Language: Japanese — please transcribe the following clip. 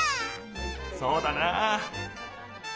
そうだなあ。